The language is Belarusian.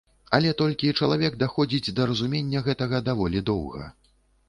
Але толькі чалавек даходзіць да разумення гэтага даволі доўга.